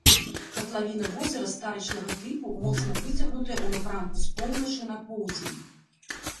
Катлавіна возера старычнага тыпу, моцна выцягнутая ў напрамку з поўначы на поўдзень.